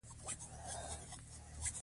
موږ به یې په خپلو لاسونو جوړ کړو.